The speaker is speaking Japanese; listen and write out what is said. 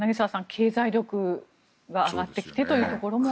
経済力が上がってきてというところも。